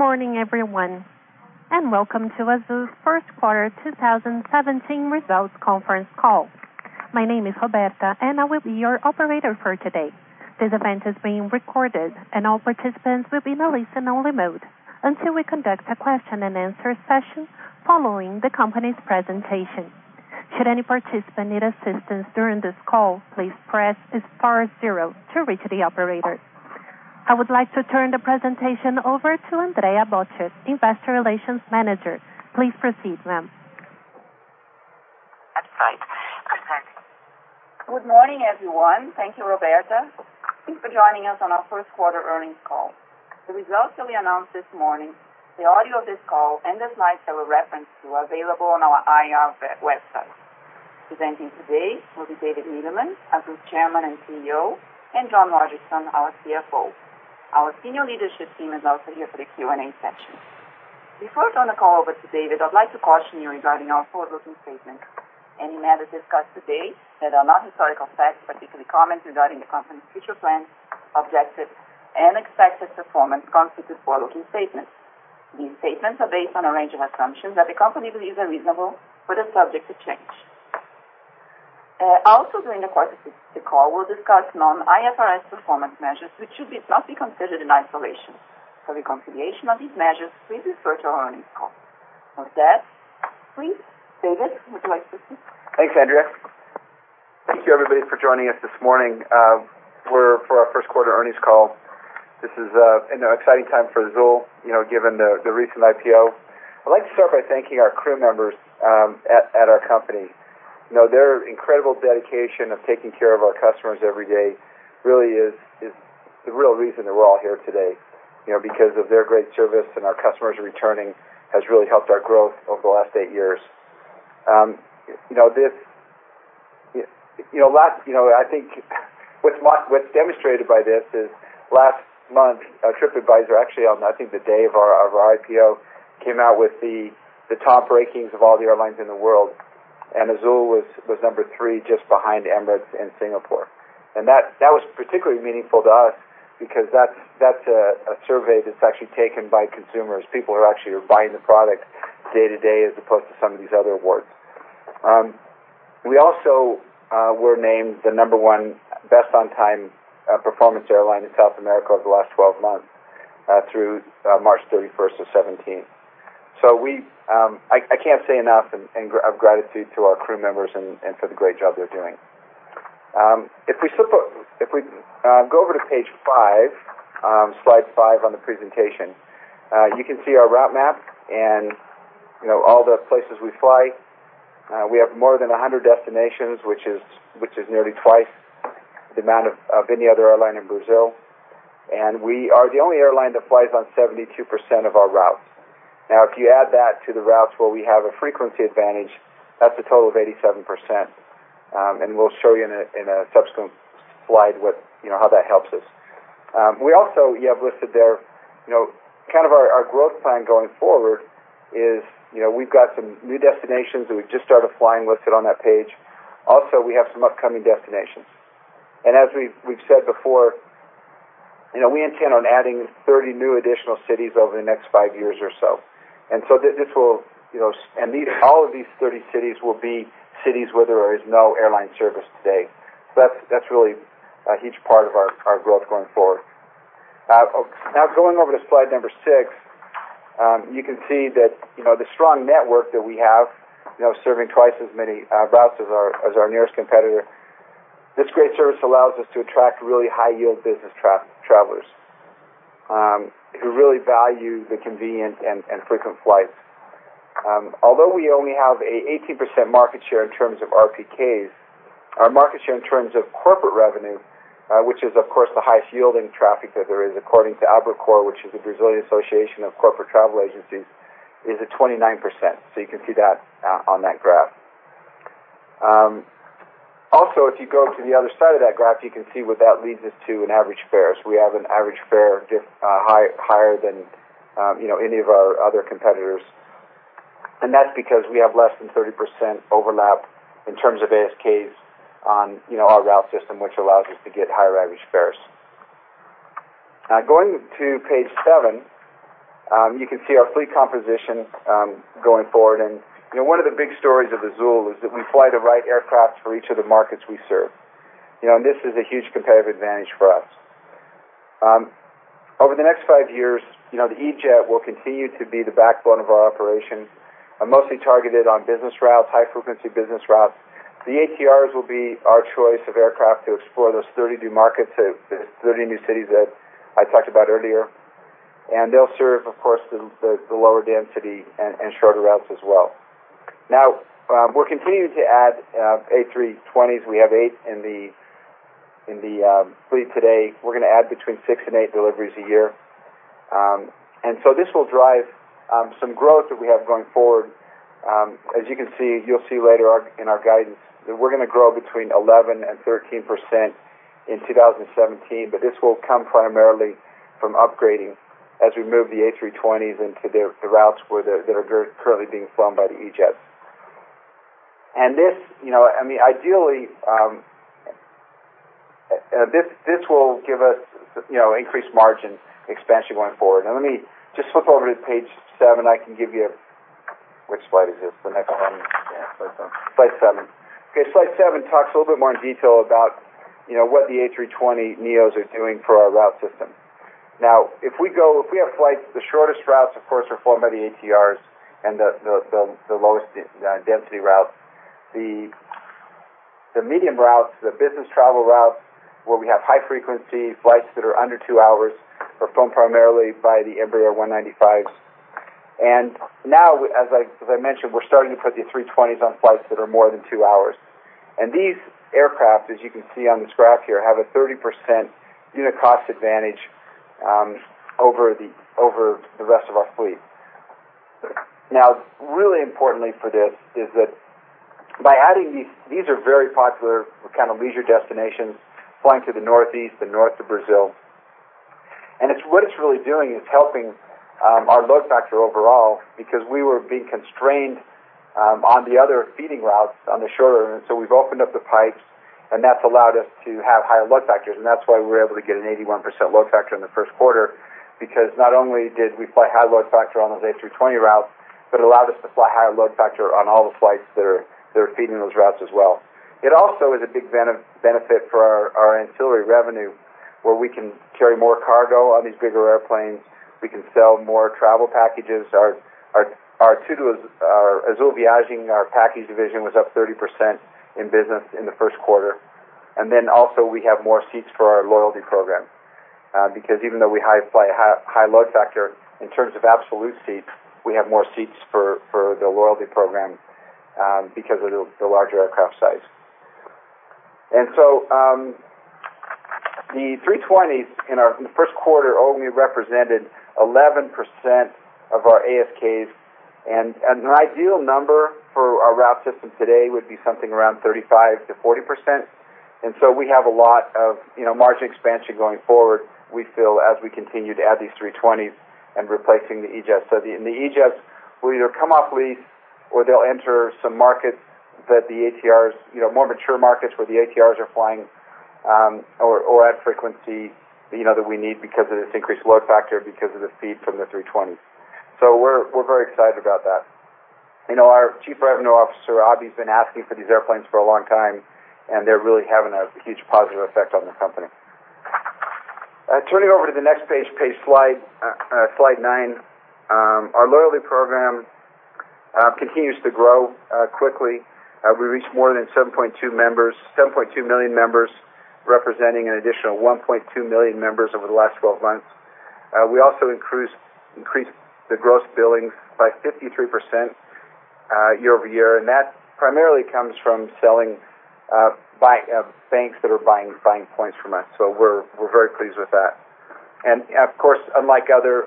Good morning everyone. Welcome to Azul's first quarter 2017 results conference call. My name is Roberta. I will be your operator for today. This event is being recorded. All participants will be in a listen-only mode until we conduct a question-and-answer session following the company's presentation. Should any participant need assistance during this call, please press star zero to reach the operator. I would like to turn the presentation over to Andrea Ferreira, Investor Relations Manager. Please proceed, ma'am. That's right. Go ahead. Good morning, everyone. Thank you, Roberta. Thanks for joining us on our first quarter earnings call. The results that we announced this morning, the audio of this call, and the slides that we reference to are available on our IR website. Presenting today will be David Neeleman, Azul's Chairman and CEO, and John Rodgerson, our CFO. Our senior leadership team is also here for the Q&A session. Before I turn the call over to David, I'd like to caution you regarding our forward-looking statements. Any matter discussed today that are not historical facts, particularly comments regarding the company's future plans, objectives, and expected performance constitute forward-looking statements. These statements are based on a range of assumptions that the company believes are reasonable but are subject to change. Also during the course of the call, we'll discuss non-IFRS performance measures, which should not be considered in isolation. For reconciliation of these measures, please refer to our earnings call. With that, please, David, would you like to proceed? Thanks, Andrea. Thank you everybody for joining us this morning for our first quarter earnings call. This is an exciting time for Azul, given the recent IPO. I'd like to start by thanking our crew members at our company. Their incredible dedication of taking care of our customers every day really is the real reason that we're all here today. Because of their great service and our customers returning, has really helped our growth over the last eight years. I think what's demonstrated by this is last month, TripAdvisor, actually on I think the day of our IPO, came out with the top rankings of all the airlines in the world, and Azul was number three just behind Emirates and Singapore. That was particularly meaningful to us because that's a survey that's actually taken by consumers, people who actually are buying the product day to day as opposed to some of these other awards. We also were named the number one best on-time performance airline in South America over the last 12 months, through March 31st of 2017. I can't say enough of gratitude to our crew members and for the great job they're doing. If we go over to page five, slide five on the presentation. You can see our route map and all the places we fly. We have more than 100 destinations, which is nearly twice the amount of any other airline in Brazil. We are the only airline that flies on 72% of our routes. If you add that to the routes where we have a frequency advantage, that's a total of 87%, we'll show you in a subsequent slide how that helps us. We also have listed there, kind of our growth plan going forward is we've got some new destinations that we just started flying listed on that page. We have some upcoming destinations. As we've said before, we intend on adding 30 new additional cities over the next five years or so. All of these 30 cities will be cities where there is no airline service today. That's really a huge part of our growth going forward. Going over to slide number six, you can see that the strong network that we have, serving twice as many routes as our nearest competitor. This great service allows us to attract really high-yield business travelers who really value the convenience and frequent flights. Although we only have an 18% market share in terms of RPKs, our market share in terms of corporate revenue, which is, of course, the highest yielding traffic that there is according to Abracorp, which is the Brazilian Association of Corporate Travel Agencies, is at 29%. You can see that on that graph. If you go to the other side of that graph, you can see what that leads us to in average fares. We have an average fare higher than any of our other competitors. That's because we have less than 30% overlap in terms of ASKs on our route system, which allows us to get higher average fares. Going to page seven, you can see our fleet composition going forward. One of the big stories of Azul is that we fly the right aircraft for each of the markets we serve. This is a huge competitive advantage for us. Over the next five years, the E-Jet will continue to be the backbone of our operation, mostly targeted on business routes, high-frequency business routes. The ATRs will be our choice of aircraft to explore those 30 new markets, the 30 new cities that I talked about earlier. They'll serve, of course, the lower density and shorter routes as well. We're continuing to add A320s. We have eight in the fleet today. We're going to add between six and eight deliveries a year. This will drive some growth that we have going forward. As you can see, you'll see later in our guidance that we're going to grow between 11% and 13% in 2017. This will come primarily from upgrading as we move the A320s into the routes that are currently being flown by the E-jets. This will give us increased margin expansion going forward. Let me just flip over to page seven. I can give you Which slide is this? The next one? Yeah. Slide seven. Slide seven. Slide seven talks a little bit more in detail about what the A320neos are doing for our route system. If we have flights, the shortest routes, of course, are formed by the ATR and the lowest density routes. The medium routes, the business travel routes, where we have high-frequency flights that are under two hours, are flown primarily by the Embraer 195s. As I mentioned, we're starting to put the A320s on flights that are more than two hours. These aircraft, as you can see on this graph here, have a 30% unit cost advantage over the rest of our fleet. Really importantly for this, is that by adding these are very popular kind of leisure destinations, flying to the northeast and north of Brazil. What it's really doing is helping our load factor overall, because we were being constrained on the other feeding routes on the shorter run. We've opened up the pipes, that's allowed us to have higher load factors, that's why we were able to get an 81% load factor in the first quarter, because not only did we fly high load factor on those A320 routes, but it allowed us to fly higher load factor on all the flights that are feeding those routes as well. It also is a big benefit for our ancillary revenue, where we can carry more cargo on these bigger airplanes. We can sell more travel packages. Our Azul Viagens, our packages division, was up 30% in business in the first quarter. Then also, we have more seats for our loyalty program. Even though we fly a high load factor, in terms of absolute seats, we have more seats for the loyalty program because of the larger aircraft size. The A320s in the first quarter only represented 11% of our ASKs, and an ideal number for our route system today would be something around 35%-40%. We have a lot of margin expansion going forward, we feel, as we continue to add these A320s and replacing the E-Jets. The E-Jets will either come off lease or they'll enter some markets that the ATR, more mature markets where the ATR are flying, or at frequency that we need because of this increased load factor because of the feed from the A320s. We're very excited about that. Our Chief Revenue Officer, Abhi's, been asking for these airplanes for a long time, they're really having a huge positive effect on the company. Turning over to the next page, slide nine. Our loyalty program continues to grow quickly. We reached more than 7.2 million members, representing an additional 1.2 million members over the last 12 months. We also increased the gross billings by 53% year-over-year, that primarily comes from banks that are buying points from us. We're very pleased with that. Of course, unlike other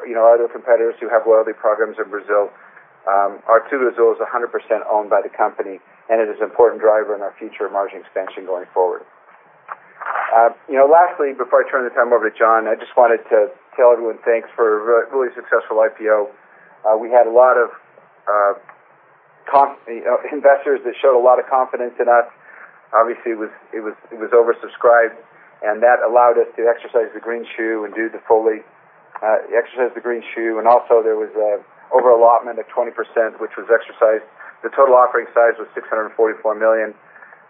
competitors who have loyalty programs in Brazil, our TudoAzul is 100% owned by the company, it is an important driver in our future margin expansion going forward. Lastly, before I turn the time over to John, I just wanted to tell everyone thanks for a really successful IPO. We had a lot of investors that showed a lot of confidence in us. Obviously, it was oversubscribed, that allowed us to exercise the green shoe, also there was an overallotment of 20%, which was exercised. The total offering size was 644 million.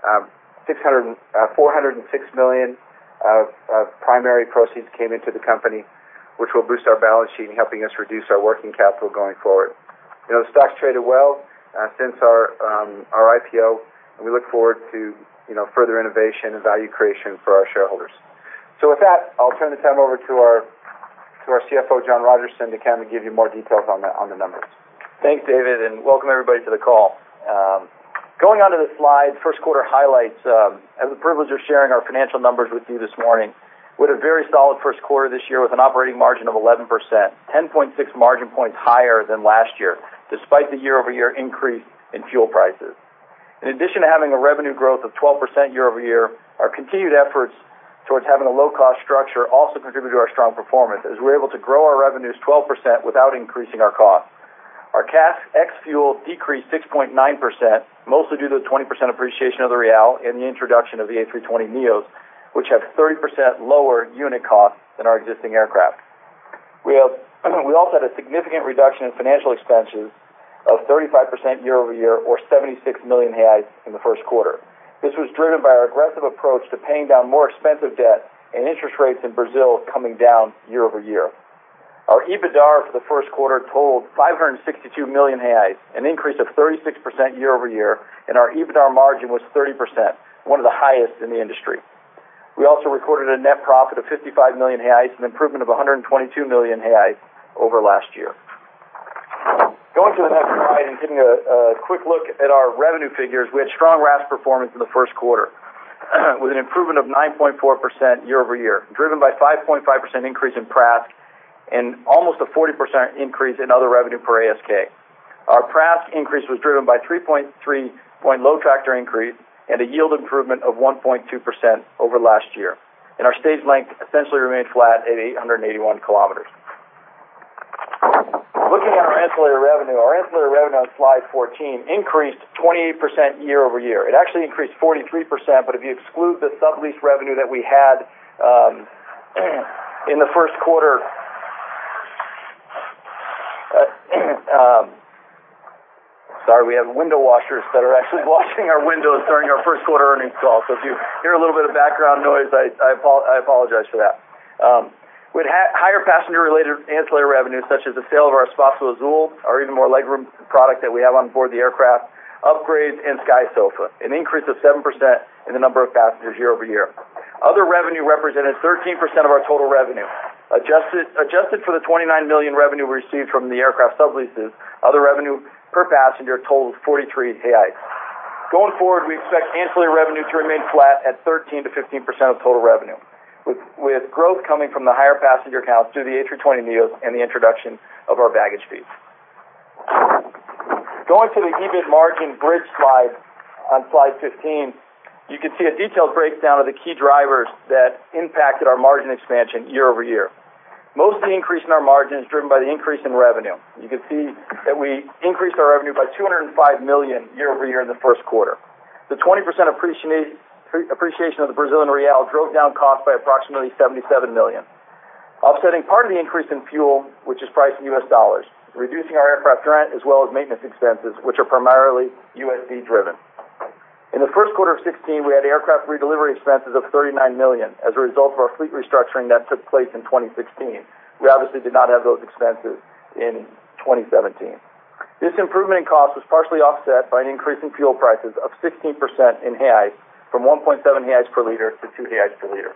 406 million of primary proceeds came into the company, which will boost our balance sheet and helping us reduce our working capital going forward. The stock traded well since our IPO, we look forward to further innovation and value creation for our shareholders. With that, I'll turn the time over to our CFO, John Rodgerson, to come and give you more details on the numbers. Thanks, David, welcome everybody to the call. Going on to the slide, first quarter highlights. I have the privilege of sharing our financial numbers with you this morning. We had a very solid first quarter this year with an operating margin of 11%, 10.6 margin points higher than last year, despite the year-over-year increase in fuel prices. In addition to having a revenue growth of 12% year-over-year, our continued efforts towards having a low-cost structure also contributed to our strong performance, as we're able to grow our revenues 12% without increasing our costs. Our CASK ex-fuel decreased 6.9%, mostly due to the 20% appreciation of the Real and the introduction of the A320neos, which have 30% lower unit costs than our existing aircraft. We also had a significant reduction in financial expenses of 35% year-over-year, or 76 million reais in the first quarter. This was driven by our aggressive approach to paying down more expensive debt and interest rates in Brazil coming down year-over-year. Our EBITDAR for the first quarter totaled 562 million reais, an increase of 36% year-over-year, and our EBITDAR margin was 30%, one of the highest in the industry. We also recorded a net profit of 55 million reais, an improvement of 122 million reais over last year. Going to the next slide and giving a quick look at our revenue figures. We had strong RASK performance in the first quarter, with an improvement of 9.4% year-over-year, driven by 5.5% increase in PRASK and almost a 40% increase in other revenue per ASK. Our PRASK increase was driven by 3.3-point load factor increase and a yield improvement of 1.2% over last year. Our stage length essentially remained flat at 881 km. Looking at our ancillary revenue, our ancillary revenue on slide 14 increased 28% year-over-year. It actually increased 43%, but if you exclude the sublease revenue that we had in the first quarter. Sorry, we have window washers that are actually washing our windows during our first quarter earnings call. If you hear a little bit of background noise, I apologize for that. We had higher passenger-related ancillary revenue, such as the sale of our Espaço Azul, our even more legroom product that we have on board the aircraft, upgrades, and SkySofa. An increase of 7% in the number of passengers year-over-year. Other revenue represented 13% of our total revenue. Adjusted for the 29 million revenue we received from the aircraft subleases, other revenue per passenger totals 43 reais. Going forward, we expect ancillary revenue to remain flat at 13%-15% of total revenue, with growth coming from the higher passenger counts through the A320neos and the introduction of our baggage fees. Going to the EBIT margin bridge slide on slide 15, you can see a detailed breakdown of the key drivers that impacted our margin expansion year-over-year. Most of the increase in our margin is driven by the increase in revenue. You can see that we increased our revenue by 205 million year-over-year in the first quarter. The 20% appreciation of the Brazilian real drove down cost by approximately 77 million. Offsetting part of the increase in fuel, which is priced in U.S. dollars, reducing our aircraft rent as well as maintenance expenses, which are primarily USD-driven. In the first quarter of 2016, we had aircraft redelivery expenses of 39 million as a result of our fleet restructuring that took place in 2016. We obviously did not have those expenses in 2017. This improvement in cost was partially offset by an increase in fuel prices of 16% in BRL, from 1.7 per liter to 2 per liter.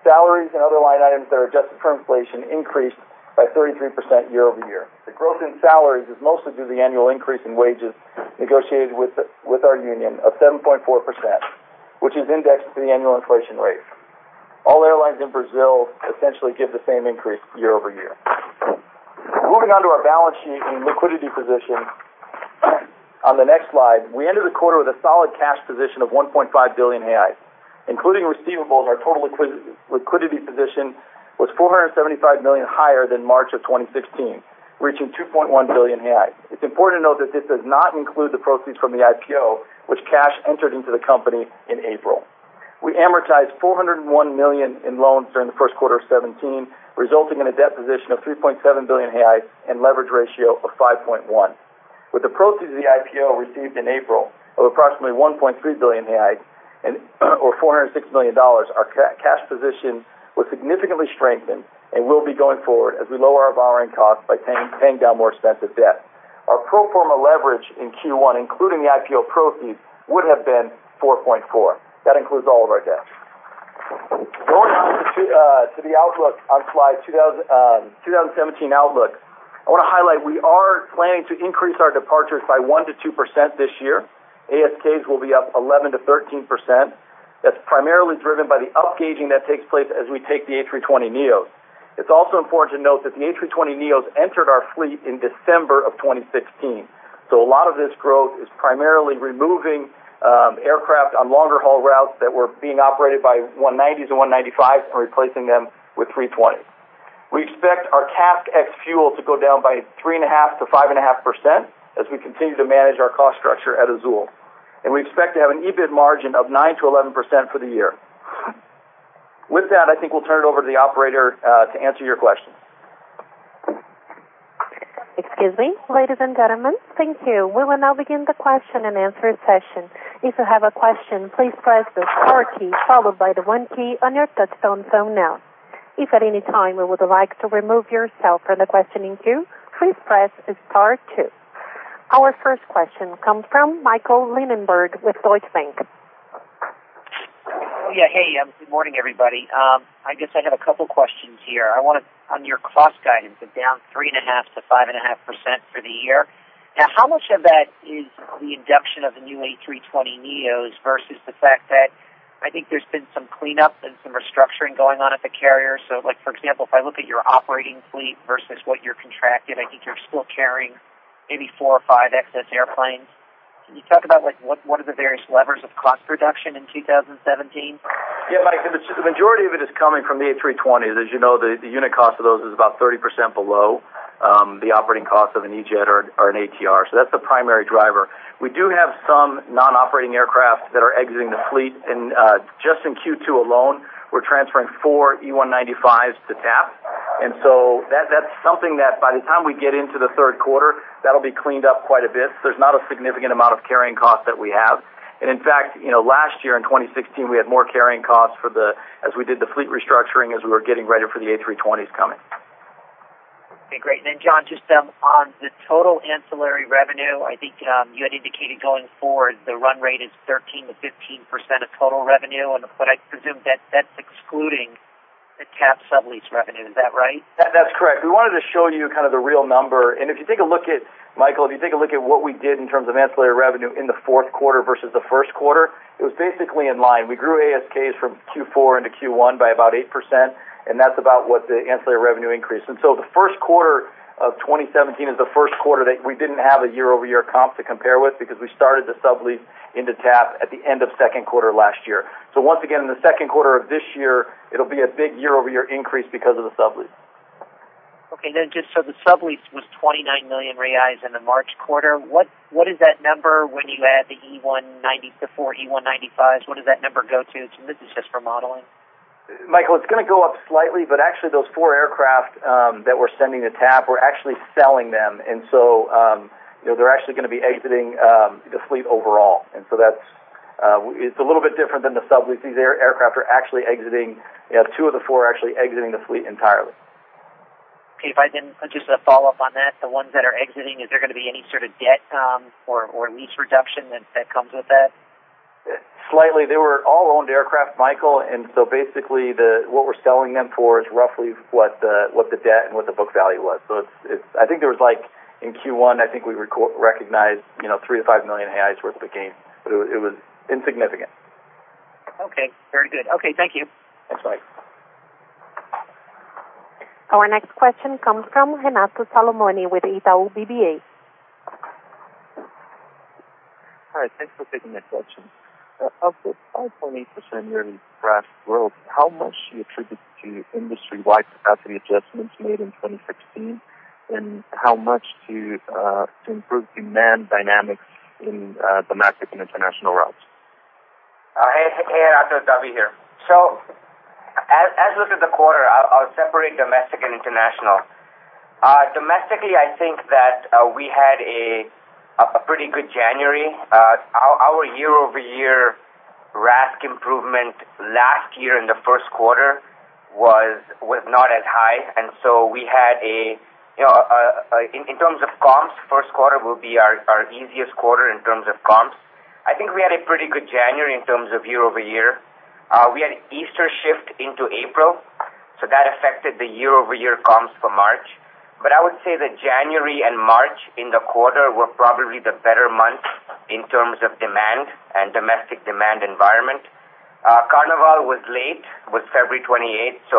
Salaries and other line items that are adjusted for inflation increased by 33% year-over-year. The growth in salaries is mostly due to the annual increase in wages negotiated with our union of 7.4%, which is indexed to the annual inflation rate. All airlines in Brazil essentially give the same increase year-over-year. Moving on to our balance sheet and liquidity position on the next slide, we ended the quarter with a solid cash position of 1.5 billion reais. Including receivables, our total liquidity position was 475 million higher than March 2016, reaching 2.1 billion reais. It is important to note that this does not include the proceeds from the IPO, which cash entered into the company in April. We amortized 401 million in loans during Q1 2017, resulting in a debt position of 3.7 billion reais and leverage ratio of 5.1. With the proceeds of the IPO received in April of approximately 1.3 billion, or $406 million, our cash position was significantly strengthened and will be going forward as we lower our borrowing costs by paying down more expensive debt. Our pro forma leverage in Q1, including the IPO proceeds, would have been 4.4. That includes all of our debt. Going on to the outlook on slide, 2017 outlook. I want to highlight, we are planning to increase our departures by 1%-2% this year. ASKs will be up 11%-13%. That is primarily driven by the upgauging that takes place as we take the A320neos. It is also important to note that the A320neos entered our fleet in December 2016. A lot of this growth is primarily removing aircraft on longer-haul routes that were being operated by 190s and 195s and replacing them with 320s. We expect our CASK ex-fuel to go down by 3.5%-5.5% as we continue to manage our cost structure at Azul. We expect to have an EBIT margin of 9%-11% for the year. With that, I think we will turn it over to the operator to answer your questions. Excuse me, ladies and gentlemen. Thank you. We will now begin the question-and-answer session. If you have a question, please press the star key followed by the one key on your touch tone phone now. If at any time you would like to remove yourself from the questioning queue, please press star two. Our first question comes from Michael Linenberg with Deutsche Bank. Yeah. Hey, good morning, everybody. I guess I have a couple questions here. On your cost guidance of down 3.5%-5.5% for the year, now how much of that is the induction of the new A320neos versus the fact that I think there has been some cleanup and some restructuring going on at the carrier. For example, if I look at your operating fleet versus what you are contracted, I think you are still carrying maybe four or five excess airplanes. Can you talk about what are the various levers of cost reduction in 2017? Mike, the majority of it is coming from the A320. As you know, the unit cost of those is about 30% below the operating cost of an E-Jet or an ATR. That's the primary driver. We do have some non-operating aircraft that are exiting the fleet. Just in Q2 alone, we're transferring four E195s to TAP. That's something that by the time we get into the third quarter, that will be cleaned up quite a bit. There's not a significant amount of carrying cost that we have. In fact, last year in 2016, we had more carrying costs as we did the fleet restructuring as we were getting ready for the A320s coming. Okay, great. John, just on the total ancillary revenue, I think you had indicated going forward, the run rate is 13%-15% of total revenue, but I presume that that's excluding the TAP sublease revenue. Is that right? That's correct. We wanted to show you the real number. Michael, if you take a look at what we did in terms of ancillary revenue in the fourth quarter versus the first quarter, it was basically in line. We grew ASKs from Q4 into Q1 by about 8%, and that's about what the ancillary revenue increase. The first quarter of 2017 is the first quarter that we didn't have a year-over-year comp to compare with because we started the sublease into TAP at the end of second quarter last year. Once again, in the second quarter of this year, it will be a big year-over-year increase because of the sublease. Okay. Just so the sublease was 29 million reais in the March quarter. What is that number when you add the four E195s? What does that number go to? This is just for modeling. Michael, it's going to go up slightly, actually those four aircraft that we're sending to TAP, we're actually selling them. They're actually going to be exiting the fleet overall. It's a little bit different than the sublease. These aircraft are actually exiting. Two of the four are actually exiting the fleet entirely. Okay. If I, just a follow-up on that, the ones that are exiting, is there going to be any sort of debt or lease reduction that comes with that? Slightly. They were all owned aircraft, Michael, basically, what we're selling them for is roughly what the debt and what the book value was. I think in Q1, I think we recognized 3 million-5 million reais worth of the gain, it was insignificant. Okay. Very good. Okay. Thank you. Thanks, Mike. Our next question comes from Renato Salomone with Itaú BBA. All right. Thanks for taking the question. Of the 5.8% yearly RASK growth, how much do you attribute to industry-wide capacity adjustments made in 2016, and how much to improved demand dynamics in domestic and international routes? Hey, Renato. Abhi here. As we look at the quarter, I'll separate domestic and international. Domestically, I think that we had a pretty good January. Our year-over-year RASK improvement last year in the first quarter was not as high. In terms of comps, first quarter will be our easiest quarter in terms of comps. I think we had a pretty good January in terms of year-over-year. We had an Easter shift into April, so that affected the year-over-year comps for March. I would say that January and March in the quarter were probably the better months in terms of demand and domestic demand environment. Carnaval was late, was February 28th, so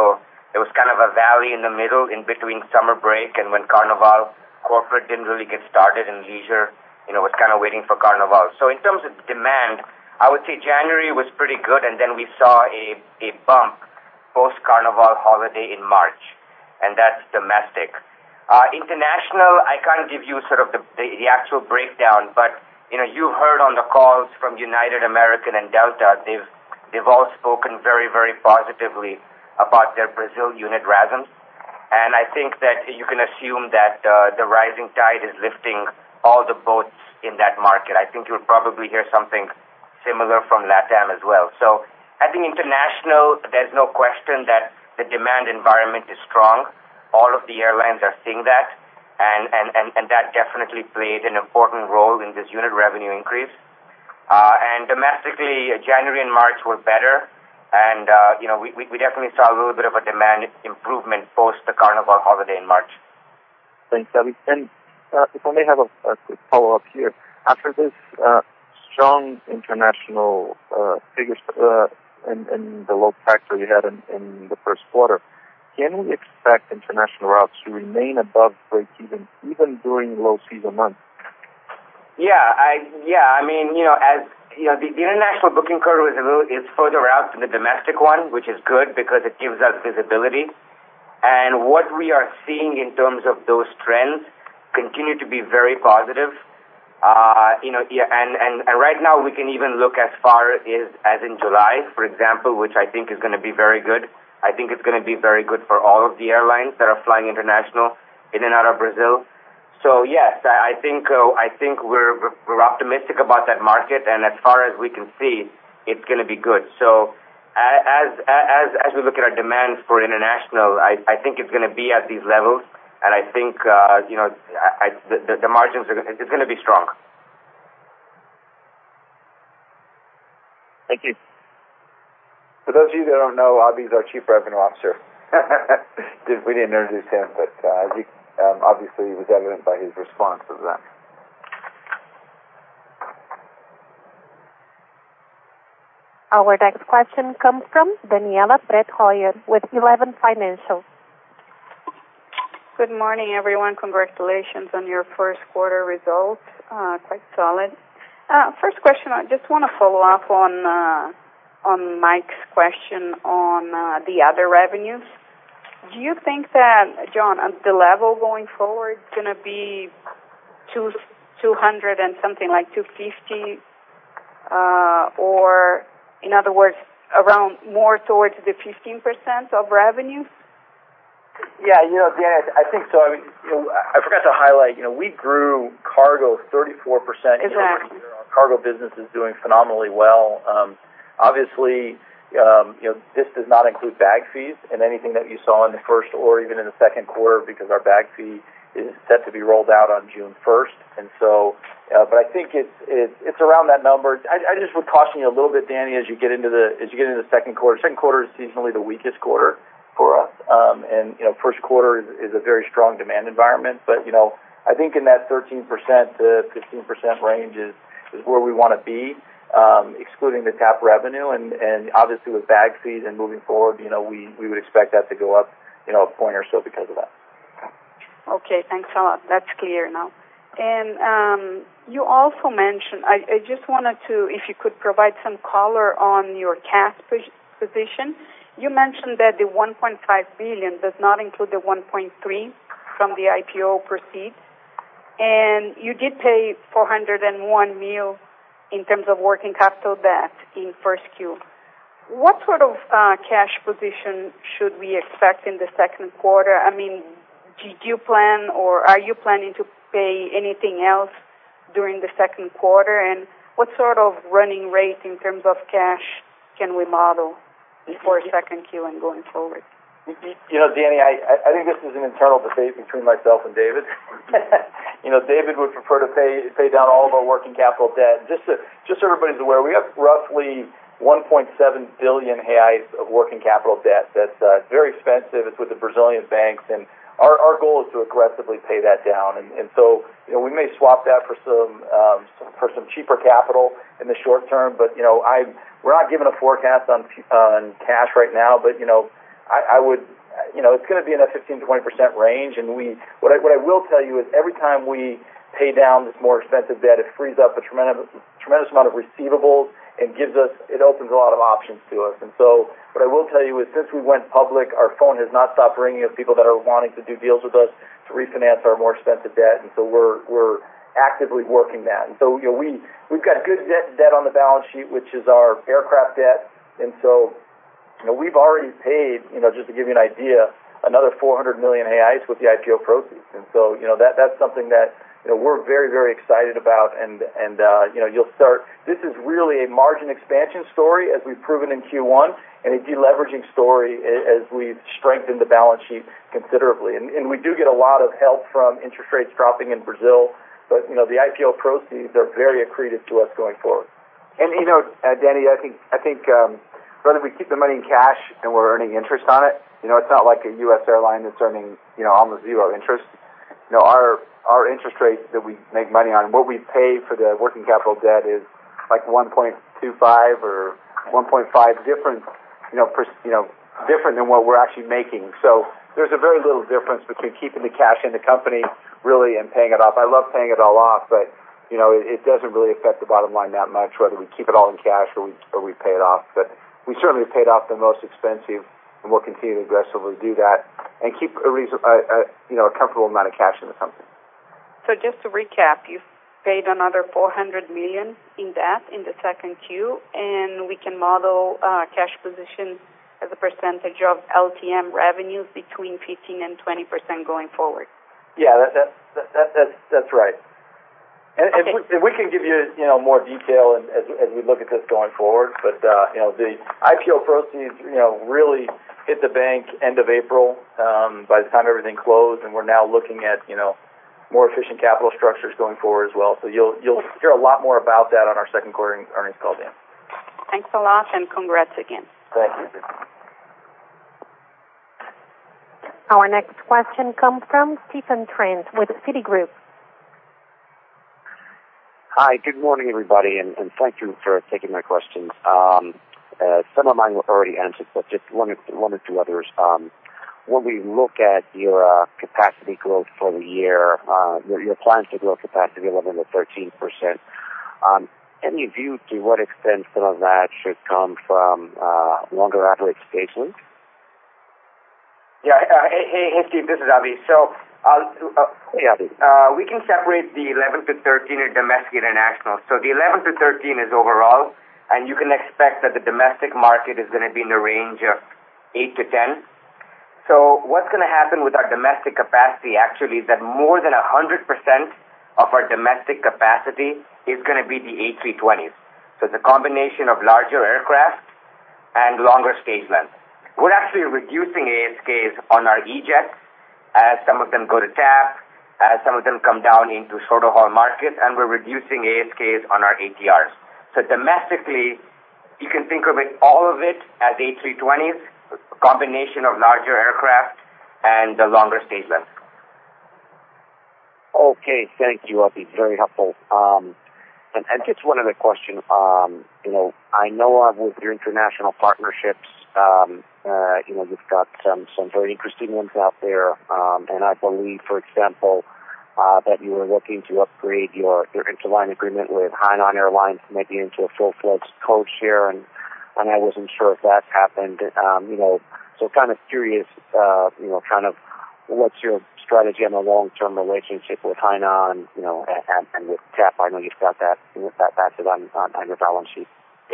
there was kind of a valley in the middle in between summer break and when Carnaval. Corporate didn't really get started, and leisure was kind of waiting for Carnaval. In terms of demand, I would say January was pretty good, then we saw a bump post-Carnaval holiday in March, and that's domestic. International, I can't give you sort of the actual breakdown, but you heard on the calls from United, American, and Delta, they've all spoken very positively about their Brazil unit RASKs. I think that you can assume that the rising tide is lifting all the boats in that market. I think you'll probably hear something similar from LATAM as well. I think international, there's no question that the demand environment is strong. All of the airlines are seeing that, and that definitely played an important role in this unit revenue increase. Domestically, January and March were better. We definitely saw a little bit of a demand improvement post the Carnaval holiday in March. Thanks, Abhi. If I may have a quick follow-up here. After this strong international figures and the low tax that we had in the first quarter, can we expect international routes to remain above breakeven even during low season months? The international booking curve is further out than the domestic one, which is good because it gives us visibility. What we are seeing in terms of those trends continue to be very positive. Right now, we can even look as far as in July, for example, which I think is going to be very good. I think it's going to be very good for all of the airlines that are flying international in and out of Brazil. Yes, I think we're optimistic about that market, and as far as we can see, it's going to be good. As we look at our demand for international, I think it's going to be at these levels, and I think the margins are going to be strong. Thank you. For those of you that don't know, Abhi's our Chief Revenue Officer. We didn't introduce him, but obviously it was evident by his response to that. Our next question comes from Daniela Bretthauer with Eleven Financial. Good morning, everyone. Congratulations on your first quarter results. Quite solid. First question, I just want to follow up on Michael's question on the other revenues. Do you think that, John, the level going forward is going to be 200 and something, like 250, or in other words, around more towards the 15% of revenues? Yeah. Daniella, I think so. I forgot to highlight, we grew cargo 34% year-over-year. Exactly. Our cargo business is doing phenomenally well. Obviously, this does not include bag fees and anything that you saw in the first or even in the second quarter because our bag fee is set to be rolled out on June 1st. I think it's around that number. I just would caution you a little bit, Dani, as you get into the second quarter. Second quarter is seasonally the weakest quarter for us. First quarter is a very strong demand environment. I think in that 13%-15% range is where we want to be, excluding the TAP revenue, obviously with bag fees and moving forward, we would expect that to go up a point or so because of that. Okay, thanks a lot. That's clear now. You also mentioned, if you could provide some color on your cash position. You mentioned that the 1.5 billion does not include the 1.3 billion from the IPO proceeds, you did pay 401 million in terms of working capital debt in Q1. What sort of cash position should we expect in the second quarter? Did you plan or are you planning to pay anything else during the second quarter? What sort of running rate in terms of cash can we model for Q2 and going forward? Dani, I think this is an internal debate between myself and David. David would prefer to pay down all of our working capital debt. Just so everybody's aware, we have roughly 1.7 billion reais of working capital debt that's very expensive. It's with the Brazilian banks. Our goal is to aggressively pay that down. We may swap that for some cheaper capital in the short term. We're not giving a forecast on cash right now. It's going to be in that 15%-20% range. What I will tell you is every time we pay down this more expensive debt, it frees up a tremendous amount of receivables and it opens a lot of options to us. What I will tell you is since we went public, our phone has not stopped ringing of people that are wanting to do deals with us to refinance our more expensive debt. We're actively working that. We've got good debt on the balance sheet, which is our aircraft debt. We've already paid, just to give you an idea, another 400 million reais with the IPO proceeds. That's something that we're very excited about. This is really a margin expansion story as we've proven in Q1, a de-leveraging story as we've strengthened the balance sheet considerably. We do get a lot of help from interest rates dropping in Brazil. The IPO proceeds are very accretive to us going forward. Dani, I think whether we keep the money in cash and we're earning interest on it's not like a U.S. airline that's earning almost zero interest. Our interest rates that we make money on, what we pay for the working capital debt is like 1.25 or 1.5 different than what we're actually making. There's a very little difference between keeping the cash in the company really and paying it off. I love paying it all off, but it doesn't really affect the bottom line that much whether we keep it all in cash or we pay it off. We certainly paid off the most expensive and we'll continue to aggressively do that and keep a comfortable amount of cash in the company. Just to recap, you've paid another 400 million in debt in the second Q, and we can model cash position as a percentage of LTM revenues between 15%-20% going forward. Yeah, that's right. Okay. We can give you more detail as we look at this going forward. The IPO proceeds really hit the bank end of April by the time everything closed, and we're now looking at more efficient capital structures going forward as well. You'll hear a lot more about that on our second quarter earnings call, Dani. Thanks a lot and congrats again. Thank you. Our next question comes from Stephen Trent with Citigroup. Hi, good morning, everybody, and thank you for taking my questions. Some of mine were already answered, just one or two others. When we look at your capacity growth for the year, your plans to grow capacity 11%-13%, any view to what extent some of that should come from longer average stage length? Yeah. Hey, Steve, this is Abhi. Hey, Abhi. We can separate the 11%-13% in domestic international. The 11%-13% is overall, and you can expect that the domestic market is going to be in the range of 8%-10%. What's going to happen with our domestic capacity actually is that more than 100% of our domestic capacity is going to be the A320s. It's a combination of larger aircraft and longer stage length. We're actually reducing ASK on our E-jets as some of them go to TAP, as some of them come down into shorter haul markets, and we're reducing ASK on our ATRs. Domestically, you can think of all of it as A320s, a combination of larger aircraft and the longer stage length. Okay. Thank you, Abhi. Very helpful. Just one other question. I know with your international partnerships, you've got some very interesting ones out there. I believe, for example, that you were looking to upgrade your interline agreement with Hainan Airlines maybe into a full [inaudible] code share, and I wasn't sure if that happened. Kind of curious, what's your strategy on the long-term relationship with Hainan and with TAP? I know you've got that asset on your balance sheet.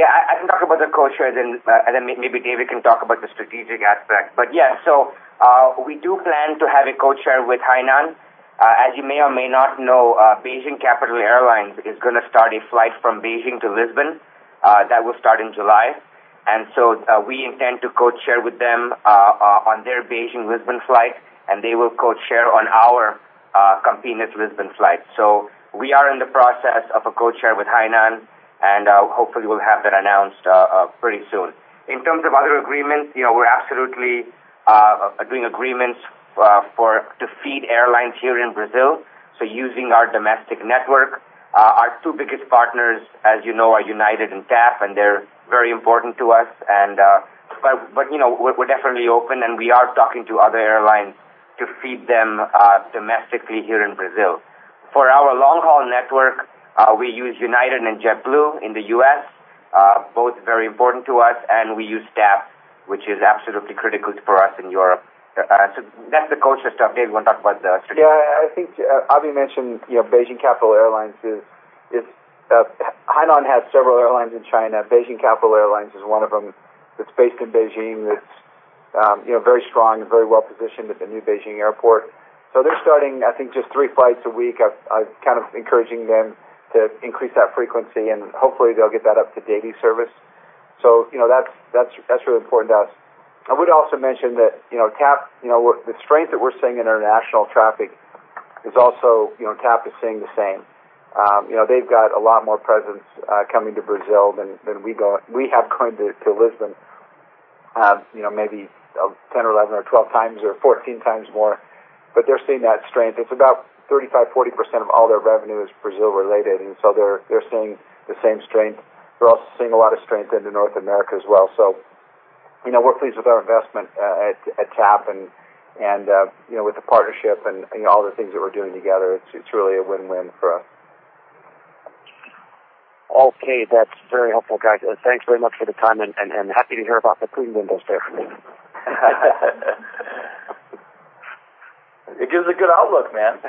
I can talk about the code share, and then maybe David can talk about the strategic aspect. We do plan to have a code share with Hainan. As you may or may not know, Beijing Capital Airlines is going to start a flight from Beijing to Lisbon. That will start in July. We intend to code share with them on their Beijing-Lisbon flight, and they will code share on our Campinas-Lisbon flight. We are in the process of a code share with Hainan, and hopefully we'll have that announced pretty soon. In terms of other agreements, we're absolutely doing agreements to feed airlines here in Brazil. Using our domestic network. Our two biggest partners, as you know, are United and TAP, and they're very important to us. We're definitely open and we are talking to other airlines to feed them domestically here in Brazil. For our long-haul network, we use United and JetBlue in the U.S., both very important to us, and we use TAP, which is absolutely critical for us in Europe. That's the culture stuff. Dave, you want to talk about the strategic? I think Abhi mentioned Beijing Capital Airlines. Hainan has several airlines in China. Beijing Capital Airlines is one of them that's based in Beijing, that's very strong and very well-positioned at the new Beijing airport. They're starting, I think, just three flights a week. I'm kind of encouraging them to increase that frequency, and hopefully they'll get that up to daily service. That's really important to us. I would also mention that TAP, the strength that we're seeing in international traffic is also TAP is seeing the same. They've got a lot more presence coming to Brazil than we have going to Lisbon. Maybe 10 or 11 or 12 times or 14 times more. They're seeing that strength. It's about 35%, 40% of all their revenue is Brazil related, they're seeing the same strength. They're also seeing a lot of strength into North America as well. We're pleased with our investment at TAP and with the partnership and all the things that we're doing together. It's really a win-win for us. Okay. That's very helpful, guys. Thanks very much for the time and happy to hear about the clean windows there for me. It gives a good outlook, man.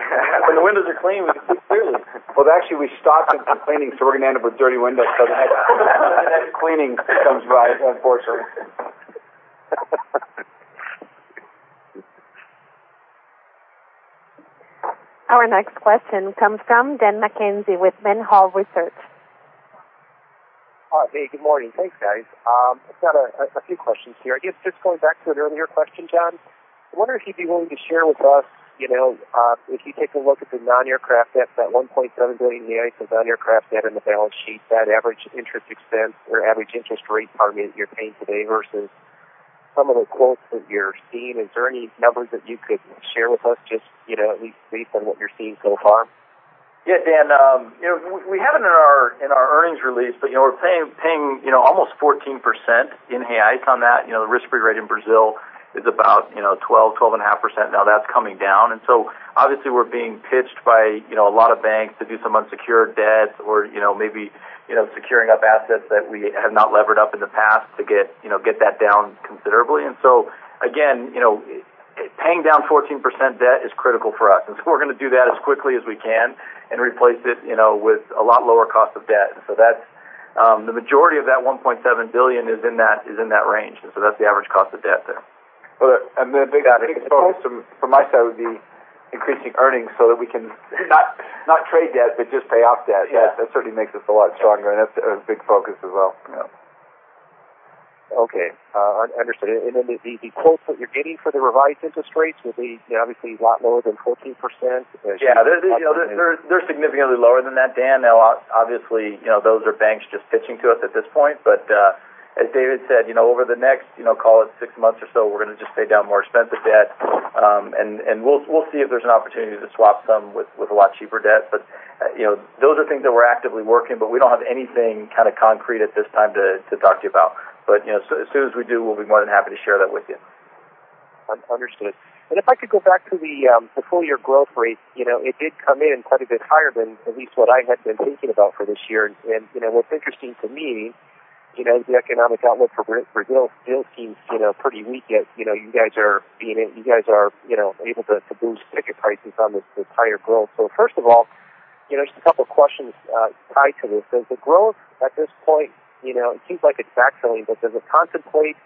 When the windows are clean, we can see clearly. Well, actually, we stopped the cleaning, so we're going to end up with dirty windows by the next cleaning comes by, unfortunately. Our next question comes from Daniel McKenzie with The Buckingham Research Group. Hi. Good morning. Thanks, guys. I've got a few questions here. I guess just going back to an earlier question, John. I wonder if you'd be willing to share with us, if you take a look at the non-aircraft debt, that 1.7 billion in the non-aircraft debt on the balance sheet, that average interest expense or average interest rate, pardon me, you're paying today versus some of the quotes that you're seeing. Is there any numbers that you could share with us, just at least based on what you're seeing so far? Yeah, Dan. We have it in our earnings release. We're paying almost 14% in [inaudible] on that. The risk-free rate in Brazil is about 12%, 12.5%. Now that's coming down. Obviously we're being pitched by a lot of banks to do some unsecured debt or maybe securing up assets that we have not levered up in the past to get that down considerably. Again, paying down 14% debt is critical for us, and so we're going to do that as quickly as we can and replace it with a lot lower cost of debt. The majority of that 1.7 billion is in that range, and so that's the average cost of debt there. Well, the big focus from my side would be increasing earnings so that we can not trade debt, but just pay off debt. Yeah. That certainly makes us a lot stronger, and that's a big focus as well. Yeah. Okay. Understood. The quotes that you're getting for the revised interest rates will be obviously a lot lower than 14%. Yeah. They're significantly lower than that, Dan. Obviously, those are banks just pitching to us at this point. As David said, over the next call it six months or so, we're going to just pay down more expensive debt. We'll see if there's an opportunity to swap some with a lot cheaper debt. Those are things that we're actively working, but we don't have anything concrete at this time to talk to you about. As soon as we do, we'll be more than happy to share that with you. Understood. If I could go back to the full year growth rate. It did come in quite a bit higher than at least what I had been thinking about for this year. What's interesting to me is the economic outlook for Brazil still seems pretty weak, yet you guys are able to boost ticket prices on this higher growth. First of all, just a couple of questions tied to this. Does the growth at this point, it seems like it's vacillating, but does it contemplate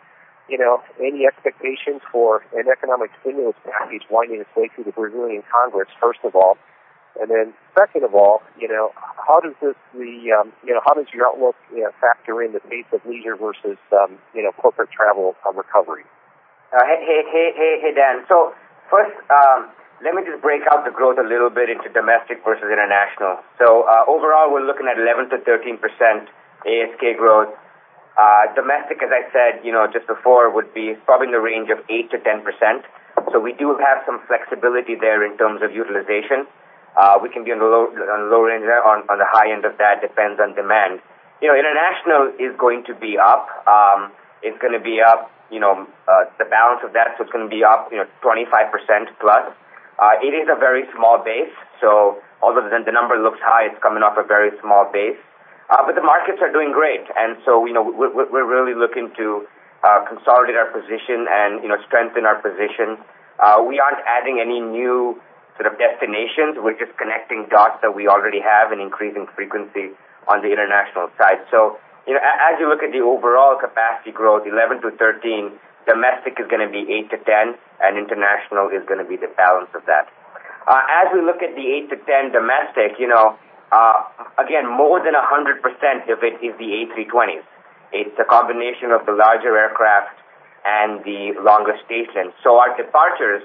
any expectations for an economic stimulus package winding its way through the Brazilian Congress, first of all? Second of all, how does your outlook factor in the pace of leisure versus corporate travel recovery? Hey, Dan. First, let me just break out the growth a little bit into domestic versus international. Overall, we're looking at 11%-13% ASK growth. Domestic, as I said just before, would be probably in the range of 8%-10%. We do have some flexibility there in terms of utilization. We can be on the low range there, on the high end of that, depends on demand. International is going to be up. The balance of that, it's going to be up 25% plus. It is a very small base. Although the number looks high, it's coming off a very small base. The markets are doing great, we're really looking to consolidate our position and strengthen our position. We aren't adding any new sort of destinations. We're just connecting dots that we already have and increasing frequency on the international side. As you look at the overall capacity growth, 11%-13%, domestic is going to be 8%-10%, international is going to be the balance of that. We look at the 8%-10% domestic, again, more than 100% of it is the A320s. It's a combination of the larger aircraft and the longer stage lengths. Our departures,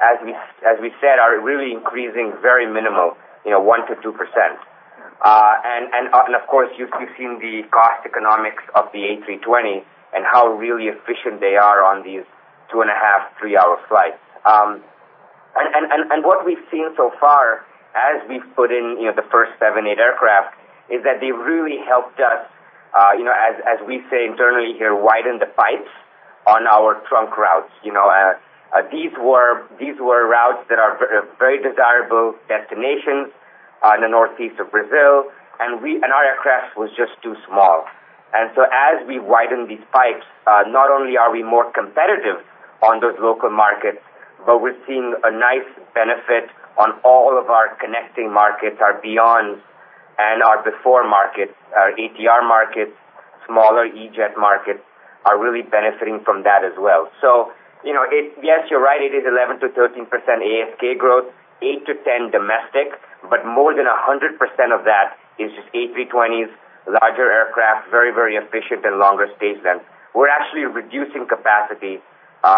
as we said, are really increasing very minimal, 1%-2%. Of course, you've seen the cost economics of the A320 and how really efficient they are on these 2.5, 3-hour flights. What we've seen so far as we've put in the first seven, eight aircraft is that they've really helped us, as we say internally here, widen the pipes on our trunk routes. These were routes that are very desirable destinations in the northeast of Brazil, our aircraft was just too small. As we widen these pipes, not only are we more competitive on those local markets, but we're seeing a nice benefit on all of our connecting markets, our beyonds, and our before markets. Our ATR markets, smaller E-jet markets are really benefiting from that as well. Yes, you're right, it is 11%-13% ASK growth, 8%-10% domestic, more than 100% of that is just A320s, larger aircraft, very efficient and longer stage length. We're actually reducing capacity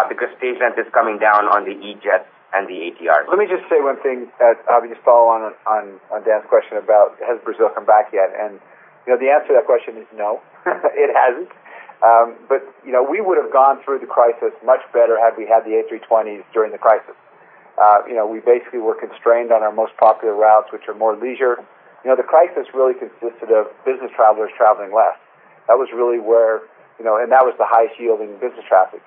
because stage length is coming down on the E-jets and the ATR. Let me just say one thing as just follow on Dan's question about has Brazil come back yet, the answer to that question is no. It hasn't. We would've gone through the crisis much better had we had the A320s during the crisis. We basically were constrained on our most popular routes, which are more leisure. The crisis really consisted of business travelers traveling less. That was the highest yield in business traffic.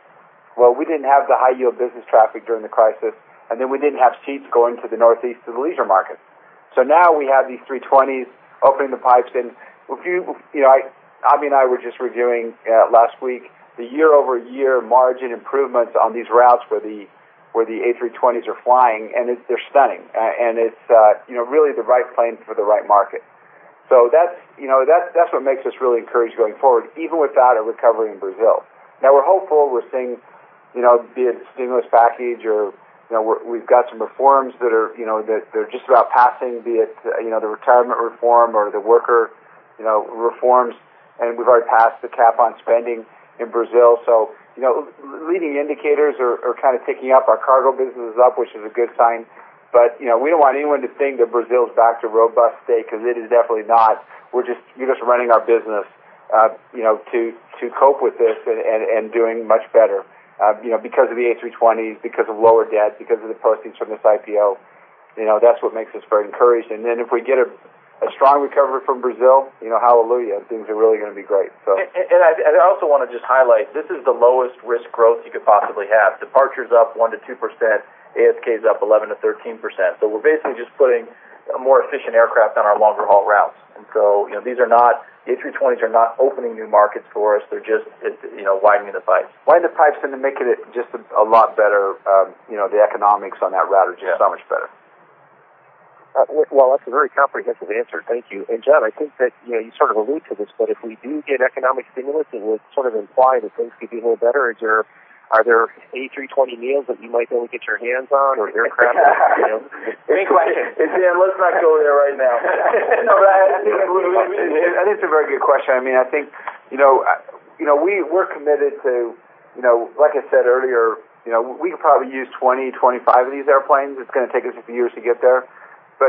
We didn't have the high-yield business traffic during the crisis, we didn't have seats going to the northeast to the leisure market. Now we have these 320s opening the pipes and Abhi and I were just reviewing, last week, the year-over-year margin improvements on these routes where the A320s are flying, they're stunning. It's really the right plane for the right market. That's what makes us really encouraged going forward, even without a recovery in Brazil. Now we're hopeful. We're seeing, be it stimulus package or we've got some reforms that are just about passing, be it the retirement reform or the worker reforms. We've already passed the cap on spending in Brazil. Leading indicators are kind of ticking up. Our cargo business is up, which is a good sign. We don't want anyone to think that Brazil's back to robust state, because it is definitely not. We're just running our business to cope with this and doing much better because of the A320s, because of lower debt, because of the proceeds from this IPO. That's what makes us very encouraged. If we get a strong recovery from Brazil, hallelujah, things are really going to be great. I also want to just highlight, this is the lowest risk growth you could possibly have. Departures up 1%-2%, ASKs up 11%-13%. We're basically just putting a more efficient aircraft on our longer-haul routes. The A320s are not opening new markets for us. They're just widening the pipes. Widening the pipes and then making it just a lot better. The economics on that route are just so much better. Well, that's a very comprehensive answer. Thank you. John, I think that you sort of allude to this, but if we do get economic stimulus, it would sort of imply that things could be a little better. Are there A320 deals that you might be able to get your hands on or aircraft that Dan, let's not go there right now. No. It's a very good question. I think we're committed to, like I said earlier, we could probably use 20, 25 of these airplanes. It's going to take us a few years to get there.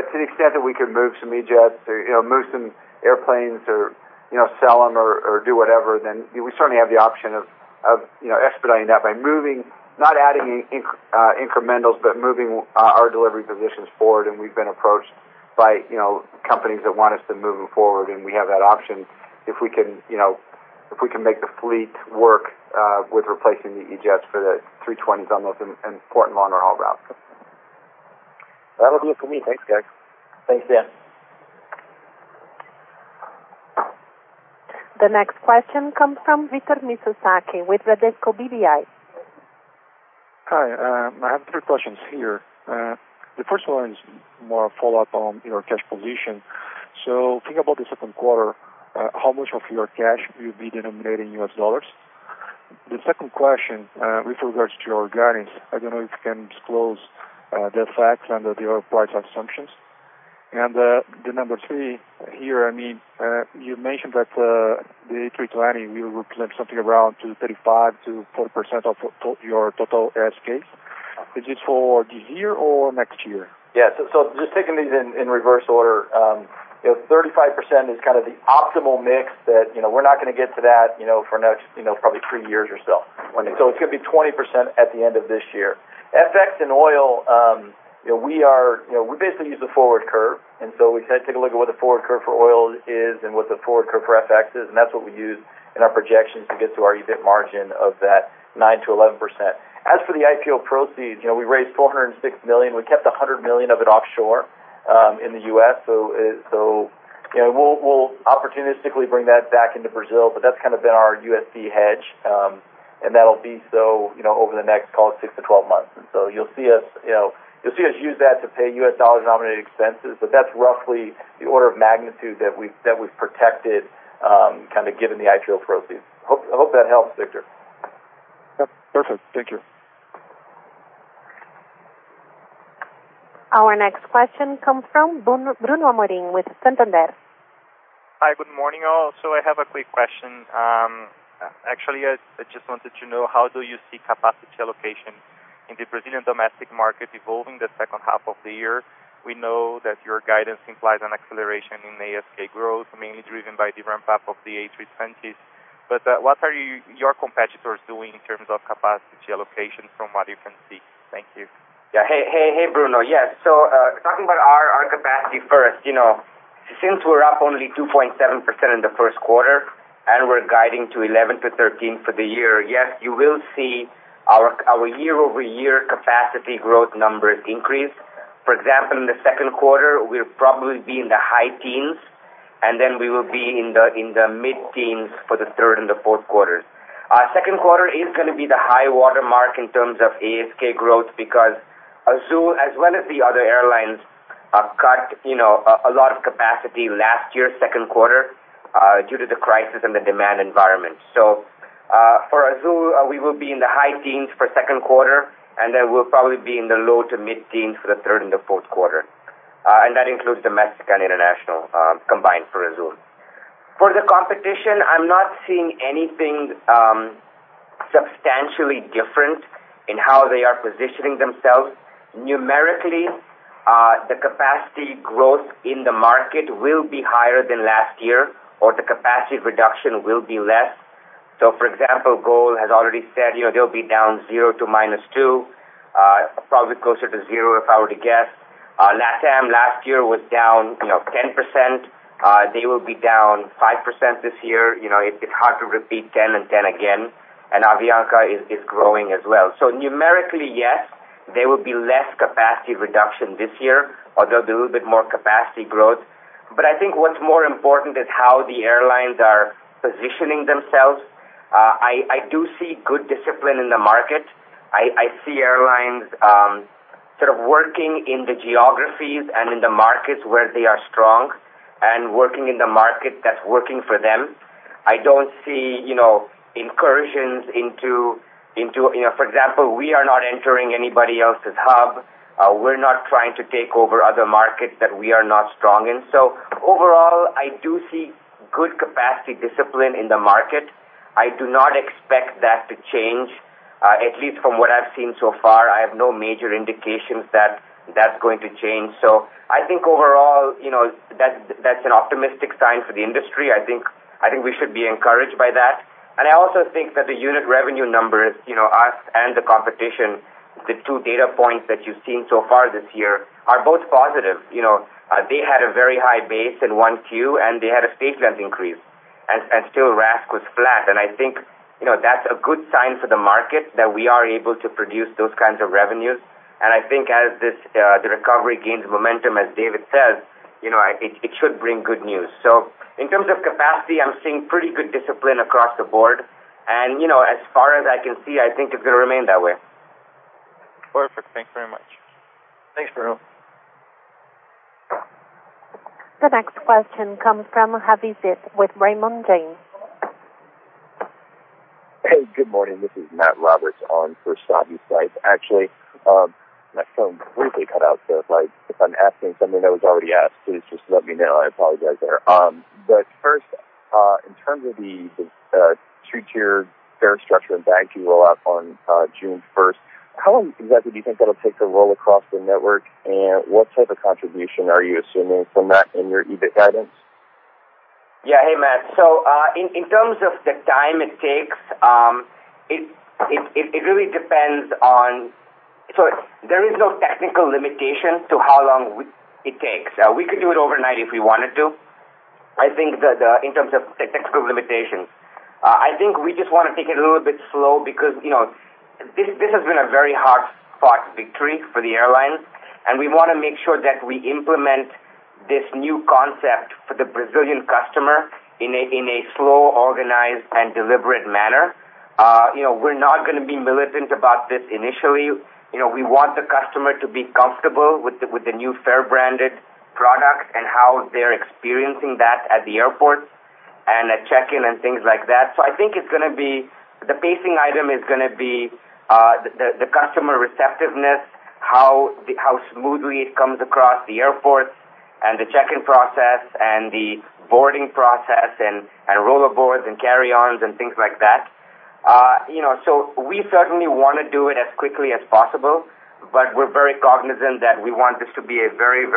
To the extent that we can move some E-jets or move some airplanes or sell them or do whatever, then we certainly have the option of expediting that by moving, not adding incrementals, but moving our delivery positions forward. We've been approached by companies that want us to move them forward. We have that option if we can make the fleet work with replacing the E-jets for the 320s on those important long-haul routes. That'll be it for me. Thanks, guys. Thanks, Dan. The next question comes from Victor Mizusaki with Bradesco BBI. Hi. I have three questions here. The first one is more a follow-up on your cash position. Think about the second quarter, how much of your cash will be denominated in U.S. dollars? The second question, with regards to your guidance, I don't know if you can disclose the effects under the other parts of assumptions. The number three here, you mentioned that the A320 will represent something around 35%-40% of your total ASK. Is this for this year or next year? Yeah. Just taking these in reverse order. 35% is kind of the optimal mix that we're not going to get to that for the next probably three years or so. Okay. It's going to be 20% at the end of this year. FX and oil, we basically use a forward curve. We take a look at what the forward curve for oil is and what the forward curve for FX is, and that's what we use in our projections to get to our EBIT margin of that 9%-11%. As for the IPO proceeds, we raised $406 million. We kept $100 million of it offshore in the U.S., so we'll opportunistically bring that back into Brazil, but that's kind of been our USD hedge. That'll be so over the next, call it 6 to 12 months. You'll see us use that to pay U.S. dollar-denominated expenses. That's roughly the order of magnitude that we've protected given the IPO proceeds. Hope that helps, Victor. Yep. Perfect. Thank you. Our next question comes from Bruno Amorim with Santander. Hi, good morning all. I have a quick question. Actually, I just wanted to know how do you see capacity allocation in the Brazilian domestic market evolving the second half of the year? We know that your guidance implies an acceleration in ASK growth, mainly driven by the ramp-up of the A320s. What are your competitors doing in terms of capacity allocation from what you can see? Thank you. Yeah. Hey, Bruno. Yes. Talking about our capacity first. Since we're up only 2.7% in the first quarter, and we're guiding to 11%-13% for the year, yes, you will see our year-over-year capacity growth numbers increase. For example, in the second quarter, we'll probably be in the high teens, and then we will be in the mid-teens for the third and the fourth quarters. Our second quarter is going to be the high watermark in terms of ASK growth because Azul, as well as the other airlines, cut a lot of capacity last year, second quarter, due to the crisis and the demand environment. For Azul, we will be in the high teens for second quarter, and then we'll probably be in the low to mid-teens for the third and the fourth quarter. And that includes domestic and international, combined for Azul. For the competition, I'm not seeing anything substantially different in how they are positioning themselves. Numerically, the capacity growth in the market will be higher than last year, or the capacity reduction will be less. For example, Gol has already said they'll be down 0% to -2%, probably closer to 0% if I were to guess. LATAM last year was down 10%. They will be down 5% this year. It's hard to repeat 10 and 10 again. Avianca is growing as well. Numerically, yes, there will be less capacity reduction this year, although there will be a little bit more capacity growth. I think what's more important is how the airlines are positioning themselves. I do see good discipline in the market. I see airlines sort of working in the geographies and in the markets where they are strong and working in the market that's working for them. I don't see incursions. For example, we are not entering anybody else's hub. We're not trying to take over other markets that we are not strong in. Overall, I do see good capacity discipline in the market. I do not expect that to change. At least from what I've seen so far, I have no major indications that that's going to change. I think overall, that's an optimistic sign for the industry. I think we should be encouraged by that. I also think that the unit revenue numbers, us and the competition, the two data points that you've seen so far this year are both positive. They had a very high base in 1Q, they had a state grant increase, and still RASK was flat. I think that's a good sign for the market that we are able to produce those kinds of revenues. I think as the recovery gains momentum, as David says, it should bring good news. In terms of capacity, I'm seeing pretty good discipline across the board. As far as I can see, I think it's going to remain that way. Perfect. Thanks very much. Thanks, Bruno. The next question comes from Savanthi Syth with Raymond James. Hey, good morning. This is Matt Roberts on for Savanthi Syth. Actually, my phone completely cut out, so if I'm asking something that was already asked, please just let me know. I apologize there. First, in terms of the three-tier fare structure and baggage rollout on June 1st, how long exactly do you think that'll take to roll across the network? What type of contribution are you assuming from that in your EBIT guidance? Yeah. Hey, Matt. In terms of the time it takes, there is no technical limitation to how long it takes. We could do it overnight if we wanted to, I think in terms of the technical limitations. I think we just want to take it a little bit slow because this has been a very hard-fought victory for the airlines, and we want to make sure that we implement this new concept for the Brazilian customer in a slow, organized, and deliberate manner. We're not going to be militant about this initially. We want the customer to be comfortable with the new fare-branded product and how they're experiencing that at the airports and at check-in and things like that. I think the pacing item is going to be the customer receptiveness, how smoothly it comes across the airports and the check-in process and the boarding process and roller boards and carry-ons and things like that. We certainly want to do it as quickly as possible, but we're very cognizant that we want this to be a very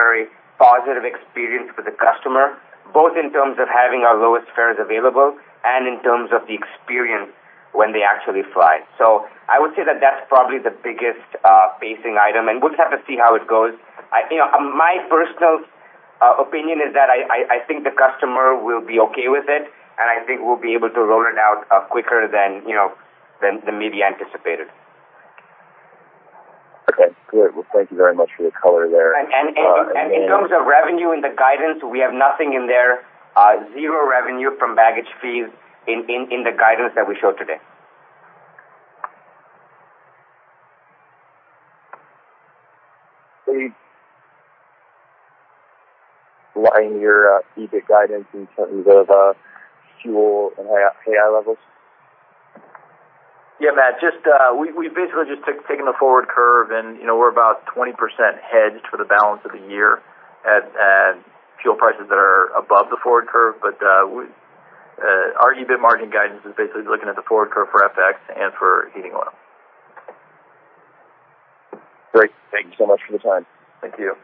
positive experience for the customer, both in terms of having our lowest fares available and in terms of the experience when they actually fly. I would say that that's probably the biggest pacing item, and we'll have to see how it goes. My personal opinion is that I think the customer will be okay with it, and I think we'll be able to roll it out quicker than maybe anticipated. Okay. Good. Well, thank you very much for the color there. In terms of revenue in the guidance, we have nothing in there. Zero revenue from baggage fees in the guidance that we showed today. Why in your EBIT guidance in terms of fuel and? [inaudible] Yeah, Matt. We basically just taken a forward curve and we're about 20% hedged for the balance of the year at fuel prices that are above the forward curve. Our EBIT margin guidance is basically looking at the forward curve for FX and for heating oil. Great. Thank you so much for the time. Thank you.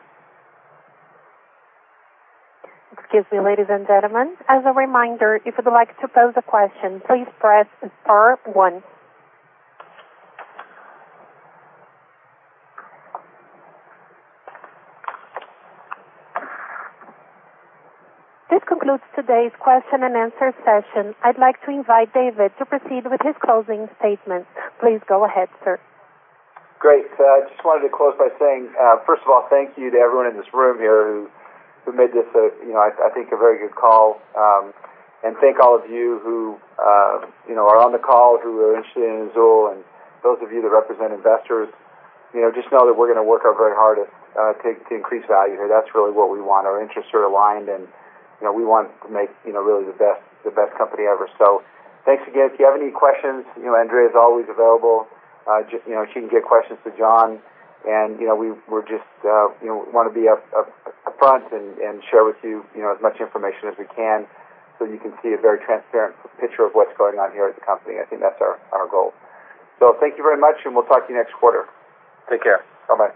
Excuse me, ladies and gentlemen. As a reminder, if you'd like to pose a question, please press star one. This concludes today's question and answer session. I'd like to invite David to proceed with his closing statement. Please go ahead, sir. Great. I just wanted to close by saying, first of all, thank you to everyone in this room here who made this, I think, a very good call. Thank all of you who are on the call who are interested in Azul and those of you that represent investors. Just know that we're going to work very hard to increase value here. That's really what we want. Our interests are aligned, we want to make really the best company ever. Thanks again. If you have any questions, Andrea is always available. She can get questions to John. We just want to be upfront and share with you as much information as we can so you can see a very transparent picture of what's going on here at the company. I think that's our goal. Thank you very much, and we'll talk to you next quarter. Take care. Bye-bye.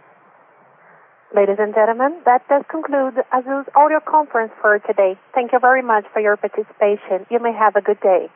Ladies and gentlemen, that does conclude Azul's audio conference for today. Thank you very much for your participation. You may have a good day.